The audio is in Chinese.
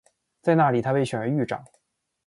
在那里他被选为狱长。